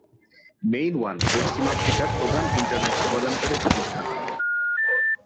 Main One পশ্চিম আফ্রিকার প্রধান ইন্টারনেট সেবাদানকারী প্রতিষ্ঠান।